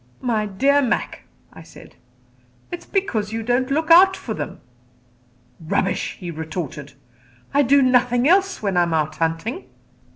"My dear Mac," I said, "it is because you don't look out for them." "Rubbish," he retorted; "I do nothing else when I am out hunting."